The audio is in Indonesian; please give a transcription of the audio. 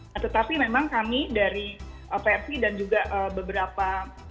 nah tetapi memang kami dari pmi dan juga beberapa